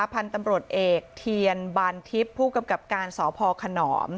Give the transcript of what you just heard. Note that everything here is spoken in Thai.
พันธุ์ตำรวจเอกเทียนบานทิพย์ผู้กำกับการสพขนอม